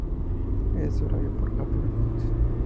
Es desarrollado por Apple Inc.